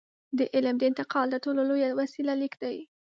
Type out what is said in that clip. د علم د انتقال تر ټولو لویه وسیله لیک ده.